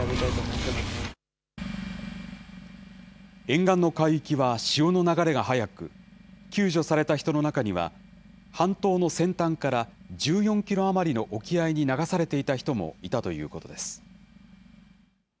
沿岸の海域は潮の流れが速く、救助された人の中には、半島の先端から１４キロ余りの沖合に流されていた人もいたということです。